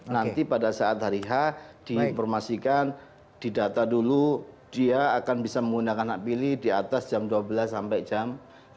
nanti pada saat hari h diinformasikan didata dulu dia akan bisa menggunakan hak pilih di atas jam dua belas sampai jam sepuluh